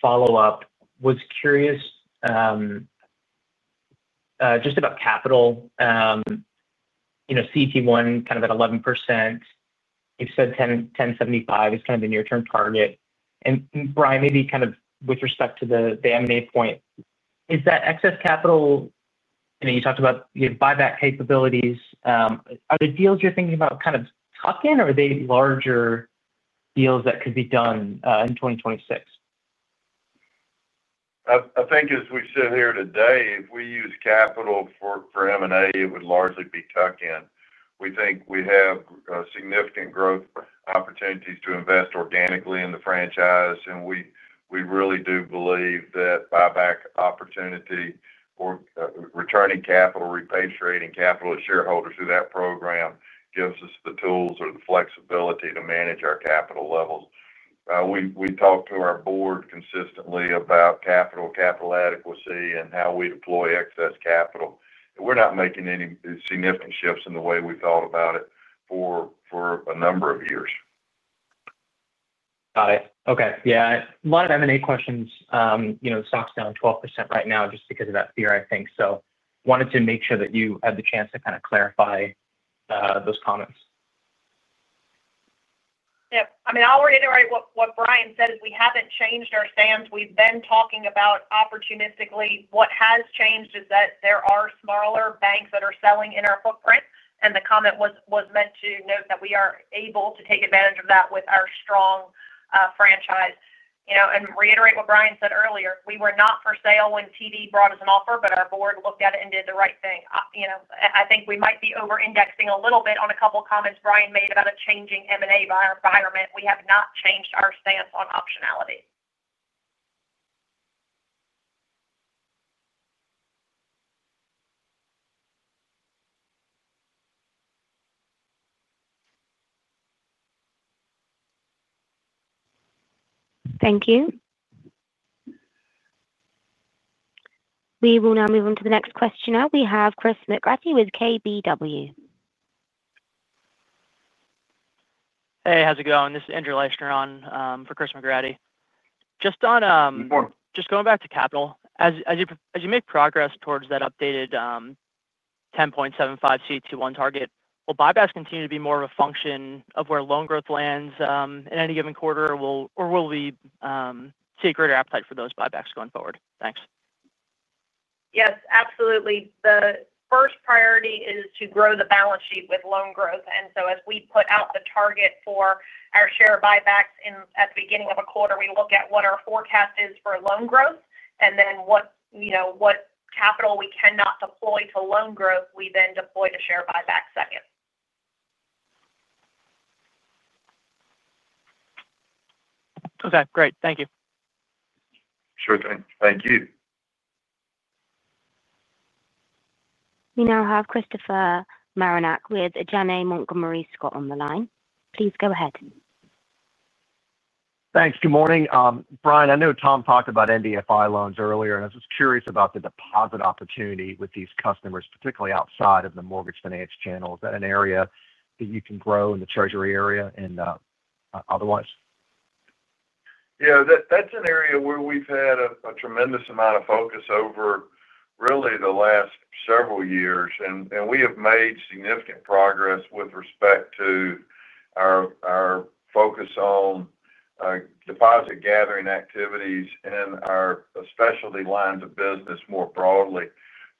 follow-up, was curious just about capital. You know, CET1 kind of at 11%. You've said 10.75% is kind of the near-term target. Bryan, maybe with respect to the M&A point, is that excess capital? I mean, you talked about buyback capabilities. Are the deals you're thinking about kind of tuck-in, or are they larger deals that could be done in 2026? I think as we sit here today, if we use capital for M&A, it would largely be tuck-in. We think we have significant growth opportunities to invest organically in the franchise. We really do believe that buyback opportunity or returning capital, repatriating capital to shareholders through that program gives us the tools or the flexibility to manage our capital levels. We talk to our board consistently about capital adequacy and how we deploy excess capital. We're not making any significant shifts in the way we thought about it for a number of years. Got it. Okay. Yeah, a lot of M&A questions. You know, the stock's down 12% right now just because of that fear, I think. I wanted to make sure that you had the chance to kind of clarify those comments. Yep. I'll reiterate what Bryan said is we haven't changed our stance. We've been talking about opportunistically. What has changed is that there are smaller banks that are selling in our footprint, and the comment was meant to note that we are able to take advantage of that with our strong franchise. You know, and reiterate what Bryan said earlier. We were not for sale when TD brought us an offer, but our board looked at it and did the right thing. I think we might be over-indexing a little bit on a couple of comments Bryan made about a changing M&A environment. We have not changed our stance on optionality. Thank you. We will now move on to the next questioner. We have Chris McGratty with KBW. Hey, how's it going? This is Andrew Leischner on for Chris McGratty. Just on. Good morning. Just going back to capital. As you make progress towards that updated 10.75% CET1 target, will buybacks continue to be more of a function of where loan growth lands in any given quarter, or will we see a greater appetite for those buybacks going forward? Thanks. Yes, absolutely. The first priority is to grow the balance sheet with loan growth. As we put out the target for our share buybacks at the beginning of a quarter, we look at what our forecast is for loan growth. What capital we cannot deploy to loan growth, we then deploy to share buybacks second. Okay, great. Thank you. Sure thing. Thank you. We now Christopher Marinac with Janney Montgomery Scott on the line. Please go ahead. Thanks. Good morning. Bryan, I know Tom talked about NDFI loans earlier, and I was just curious about the deposit opportunity with these customers, particularly outside of the mortgage finance channel. Is that an area that you can grow in the treasury area and otherwise? Yeah. That's an area where we've had a tremendous amount of focus over really the last several years. We have made significant progress with respect to our focus on deposit gathering activities and our specialty lines of business more broadly.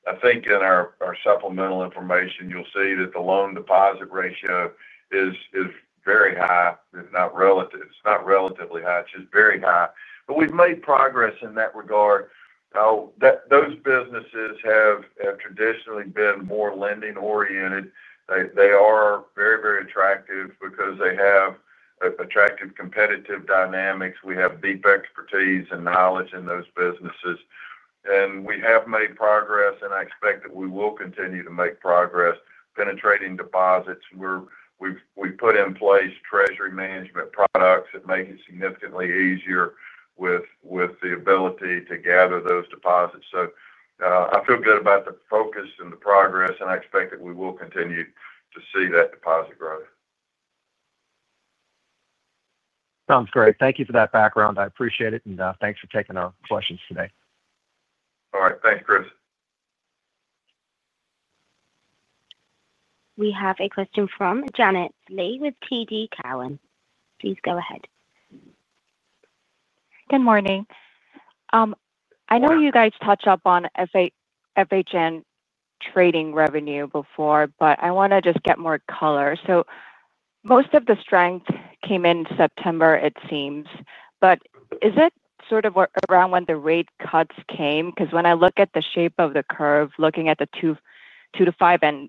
I think in our supplemental information, you'll see that the loan deposit ratio is very high. It's not relatively high. It's just very high. We've made progress in that regard. Those businesses have traditionally been more lending-oriented. They are very, very attractive because they have attractive competitive dynamics. We have deep expertise and knowledge in those businesses. We have made progress, and I expect that we will continue to make progress penetrating deposits. We've put in place treasury management products that make it significantly easier with the ability to gather those deposits. I feel good about the focus and the progress, and I expect that we will continue to see that deposit growth. Sounds great. Thank you for that background. I appreciate it. Thank you for taking our questions today. All right. Thanks, Chris. We have a question from Janet Lee with TD Cowen. Please go ahead. Good morning. I know you guys touch up on FHN Financial trading revenue before, but I want to just get more color. Most of the strength came in September, it seems. Is it sort of around when the rate cuts came? When I look at the shape of the curve, looking at the two-to-five and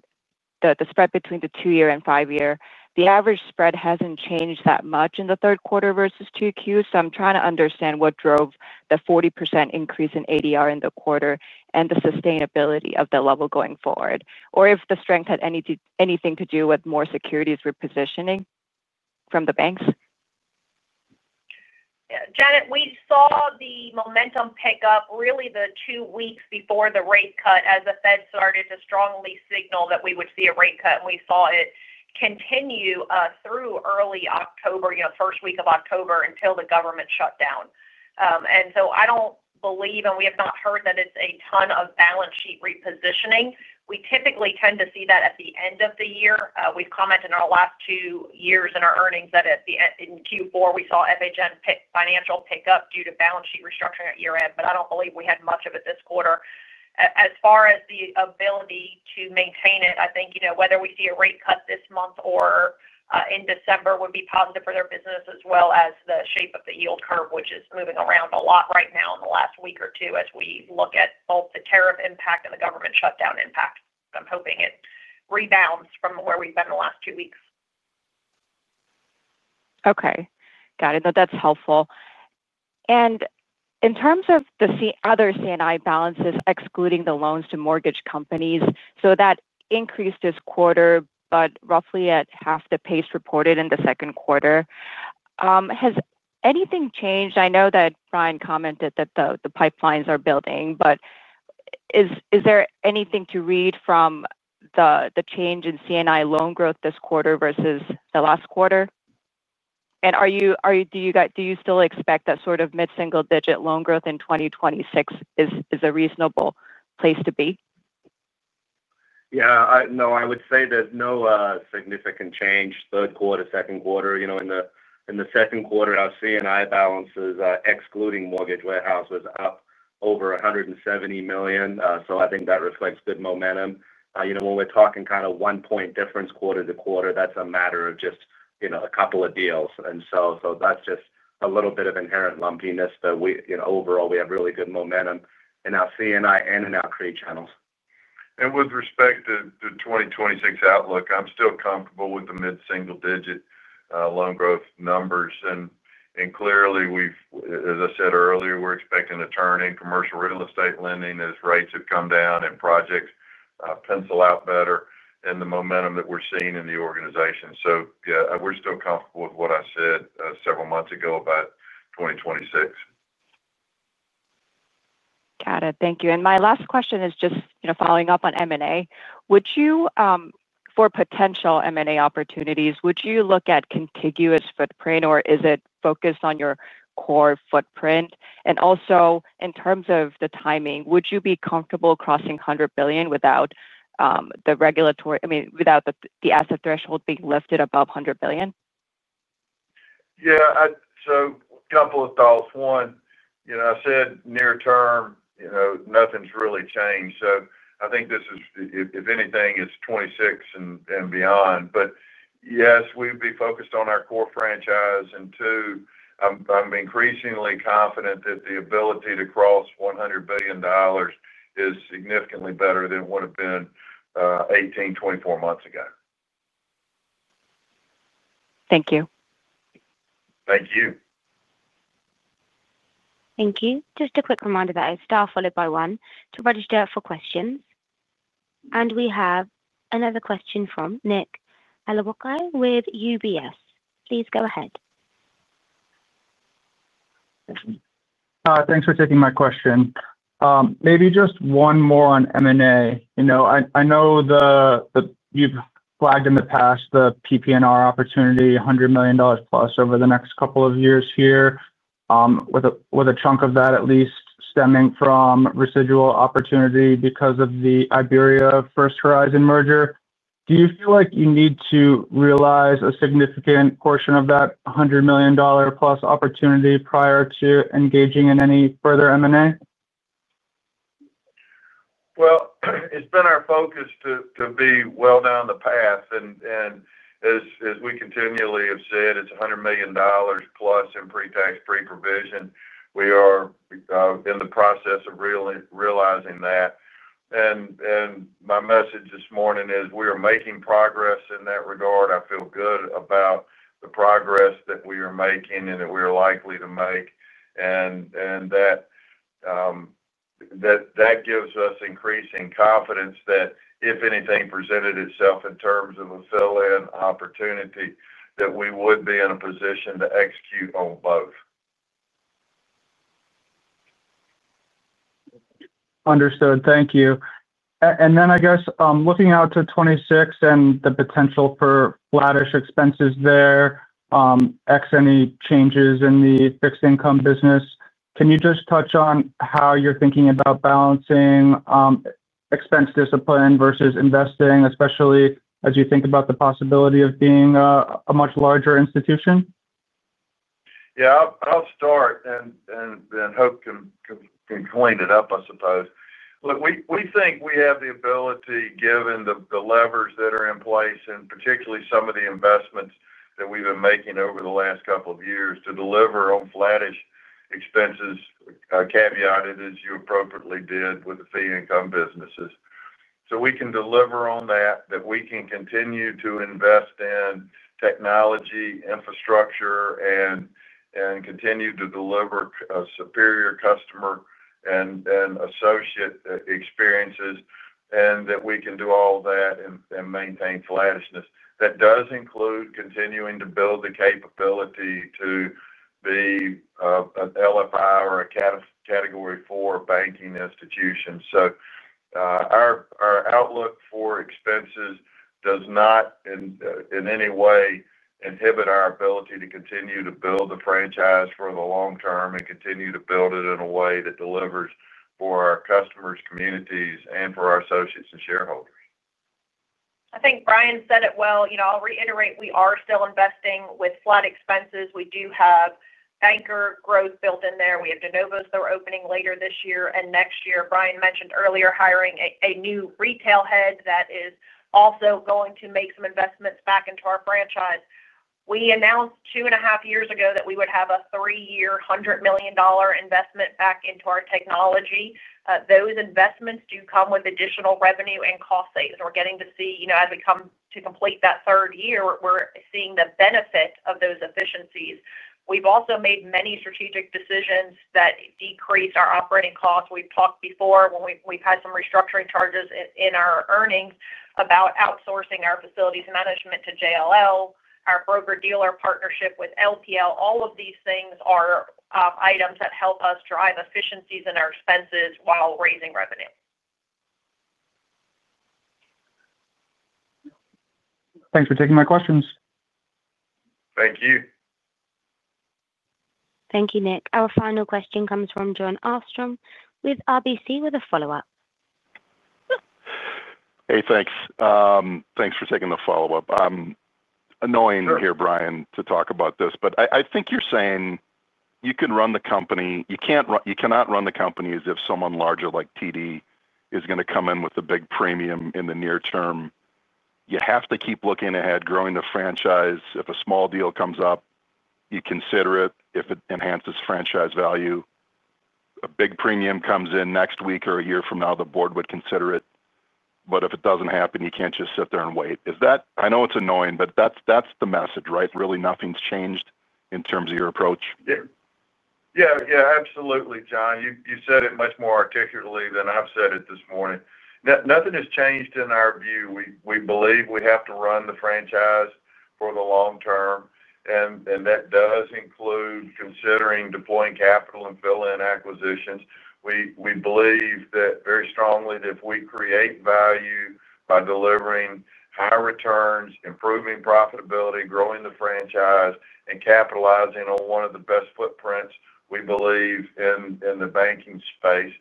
the spread between the two-year and five-year, the average spread hasn't changed that much in the third quarter versus two Qs. I'm trying to understand what drove the 40% increase in ADR in the quarter and the sustainability of the level going forward, or if the strength had anything to do with more securities repositioning from the banks. Yeah. Janet, we saw the momentum pick up really the two weeks before the rate cut as the Fed started to strongly signal that we would see a rate cut. We saw it continue through early October, the first week of October until the government shutdown. I don't believe, and we have not heard that it's a ton of balance sheet repositioning. We typically tend to see that at the end of the year. We've commented in our last two years in our earnings that in Q4, we saw FHN Financial pick up due to balance sheet restructuring at year-end, but I don't believe we had much of it this quarter. As far as the ability to maintain it, I think whether we see a rate cut this month or in December would be positive for their business as well as the shape of the yield curve, which is moving around a lot right now in the last week or two as we look at both the tariff impact and the government shutdown impact. I'm hoping it rebounds from where we've been in the last two weeks. Okay. Got it. No, that's helpful. In terms of the other C&I balances, excluding the loans to mortgage companies, that increased this quarter, but roughly at half the pace reported in the second quarter. Has anything changed? I know that Bryan commented that the pipelines are building, but is there anything to read from the change in C&I loan growth this quarter versus the last quarter? Do you still expect that sort of mid-single-digit loan growth in 2026 is a reasonable place to be? Yeah. No, I would say there's no significant change third quarter, second quarter. In the second quarter, our C&I balances, excluding mortgage warehouse, was up over $170 million. I think that reflects good momentum. When we're talking kind of one-point difference quarter to quarter, that's a matter of just a couple of deals. That's just a little bit of inherent lumpiness, but overall, we have really good momentum in our C&I and in our create channels. With respect to the 2026 outlook, I'm still comfortable with the mid-single-digit loan growth numbers. Clearly, we've, as I said earlier, we're expecting to turn in commercial real estate lending as rates have come down and projects pencil out better and the momentum that we're seeing in the organization. Yeah, we're still comfortable with what I said several months ago about 2026. Got it. Thank you. My last question is just, you know, following up on M&A. Would you, for potential M&A opportunities, look at contiguous footprint, or is it focused on your core footprint? Also, in terms of the timing, would you be comfortable crossing $100 billion without the regulatory, I mean, without the asset threshold being lifted above $100 billion? Yeah. A couple of thoughts. One, I said near-term, nothing's really changed. I think this is, if anything, it's 2026 and beyond. Yes, we'd be focused on our core franchise. Two, I'm increasingly confident that the ability to cross $100 billion is significantly better than it would have been 18, 24 months ago. Thank you. Thank you. Thank you. Just a quick reminder that it's star followed by one to register for questions. We have another question from Nick Holowko with UBS. Please go ahead. Hi. Thanks for taking my question. Maybe just one more on M&A. I know that you've flagged in the past the PPNR opportunity, $100 million plus over the next couple of years here, with a chunk of that at least stemming from residual opportunity because of the IBERIA First Horizon merger. Do you feel like you need to realize a significant portion of that $100 million plus opportunity prior to engaging in any further M&A? It has been our focus to be well down the path. As we continually have said, it's $100 million plus in pre-tax pre-provision. We are in the process of realizing that. My message this morning is we are making progress in that regard. I feel good about the progress that we are making and that we are likely to make. That gives us increasing confidence that if anything presented itself in terms of a fill-in opportunity, we would be in a position to execute on both. Understood. Thank you. I guess looking out to 2026 and the potential for flattish expenses there, excluding any changes in the fixed income business, can you just touch on how you're thinking about balancing expense discipline versus investing, especially as you think about the possibility of being a much larger institution? I'll start and then Hope can clean it up, I suppose. Look, we think we have the ability, given the levers that are in place and particularly some of the investments that we've been making over the last couple of years, to deliver on flattish expenses, caveated, as you appropriately did with the fee income businesses. We can deliver on that, we can continue to invest in technology, infrastructure, and continue to deliver superior customer and associate experiences, and we can do all of that and maintain flattishness. That does include continuing to build the capability to be an LFI or a category 4 banking institution. Our outlook for expenses does not in any way inhibit our ability to continue to build the franchise for the long term and continue to build it in a way that delivers for our customers, communities, and for our associates and shareholders. I think Bryan said it well. I'll reiterate, we are still investing with flat expenses. We do have banker growth built in there. We have De Novos that are opening later this year and next year. Bryan mentioned earlier hiring a new retail head that is also going to make some investments back into our franchise. We announced 2.5 years ago that we would have a three-year $100 million investment back into our technology. Those investments do come with additional revenue and cost savings. We're getting to see, as we come to complete that third year, we're seeing the benefit of those efficiencies. We've also made many strategic decisions that decrease our operating costs. We've talked before when we've had some restructuring charges in our earnings about outsourcing our facilities management to JLL, our broker-dealer partnership with LPL. All of these things are items that help us drive efficiencies in our expenses while raising revenue. Thanks for taking my questions. Thank you. Thank you, Nick. Our final question comes from Jon Arfstrom with RBC with a follow-up. Hey, thanks. Thanks for taking the follow-up. I'm annoying here, Bryan, to talk about this, but I think you're saying you can run the company. You cannot run the company as if someone larger like TD is going to come in with a big premium in the near term. You have to keep looking ahead, growing the franchise. If a small deal comes up, you consider it. If it enhances franchise value, a big premium comes in next week or a year from now, the board would consider it. If it doesn't happen, you can't just sit there and wait. Is that? I know it's annoying, but that's the message, right? Really, nothing's changed in terms of your approach? Yeah, absolutely, John. You said it much more articulately than I've said it this morning. Nothing has changed in our view. We believe we have to run the franchise for the long term, and that does include considering deploying capital and fill-in acquisitions. We believe very strongly that if we create value by delivering high returns, improving profitability, growing the franchise, and capitalizing on one of the best footprints, we believe in the banking space,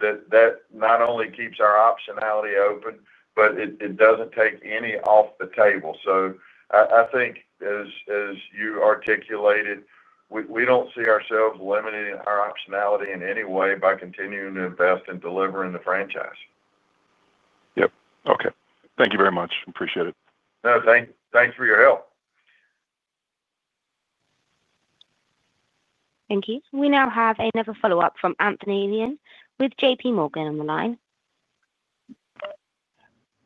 that not only keeps our optionality open, but it doesn't take any off the table. I think, as you articulated, we don't see ourselves limiting our optionality in any way by continuing to invest in delivering the franchise. Okay. Thank you very much. Appreciate it. No, thanks for your help. Thank you. We now have another follow-up from Anthony Elian with JPMorgan on the line.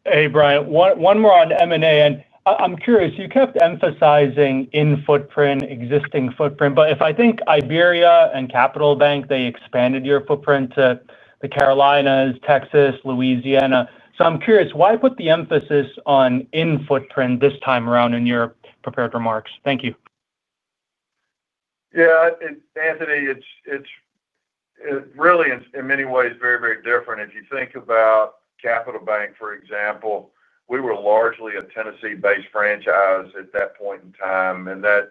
Hey, Bryan. One more on M&A. I'm curious, you kept emphasizing in-footprint, existing footprint, but if I think IBERIA and Capital Bank, they expanded your footprint to the Carolinas, Texas, Louisiana. I'm curious, why put the emphasis on in-footprint this time around in your prepared remarks? Thank you. Yeah. Anthony, it really is in many ways very, very different. If you think about Capital Bank, for example, we were largely a Tennessee-based franchise at that point in time, and that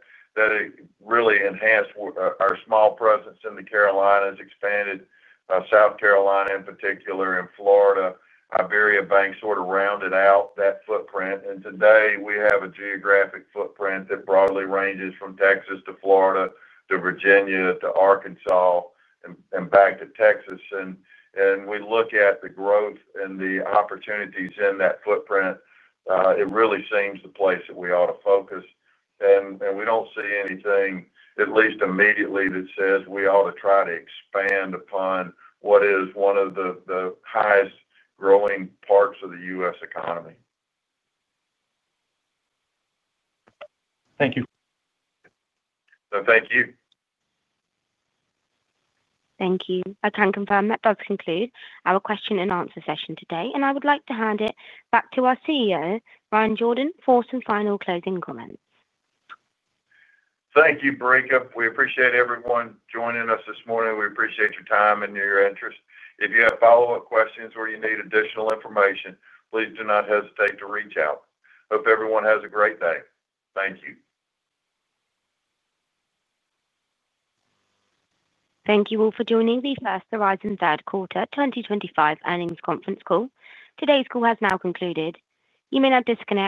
really enhanced our small presence in the Carolinas, expanded South Carolina in particular, and Florida. IBERIA Bank sort of rounded out that footprint. Today, we have a geographic footprint that broadly ranges from Texas to Florida to Virginia to Arkansas and back to Texas. We look at the growth and the opportunities in that footprint. It really seems the place that we ought to focus. We don't see anything, at least immediately, that says we ought to try to expand upon what is one of the highest growing parts of the U.S. economy. Thank you. Thank you. Thank you. I can confirm that does conclude our question-and-answer session today. I would like to hand it back to our CEO, Bryan Jordan, for some final closing comments. Thank you. We appreciate everyone joining us this morning. We appreciate your time and your interest. If you have follow-up questions or you need additional information, please do not hesitate to reach out. Hope everyone has a great day. Thank you. Thank you all for joining the First Horizon Third Quarter 2025 earnings conference call. Today's call has now concluded. You may now disconnect.